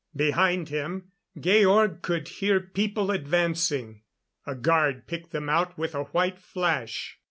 ] Behind him, Georg could hear people advancing. A guard picked them out with a white flash.